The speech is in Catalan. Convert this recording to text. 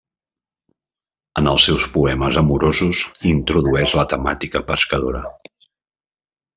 En els seus poemes amorosos introdueix la temàtica pescadora.